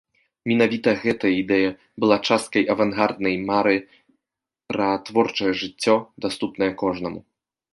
Менавіта гэтая ідэя была часткай авангарднай мары пра творчае жыццё, даступнае кожнаму.